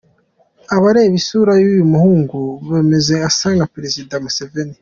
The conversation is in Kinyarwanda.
Abareba isura y’ uyu muhungu bemeza ko asa na Perezida Museveni.